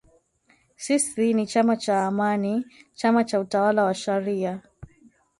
Sisi ni chama cha Amani, chama cha utawala wa sharia